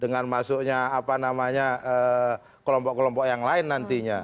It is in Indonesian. dengan masuknya apa namanya kelompok kelompok yang lain nantinya